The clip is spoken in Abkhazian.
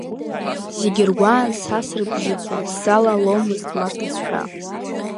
Зегь ргәаан са срыбжьыҵуан, сзалаломызт ма рҭыӡшәа.